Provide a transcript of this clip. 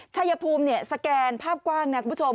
ชายภูมิสแกนภาพกว้างนะคุณผู้ชม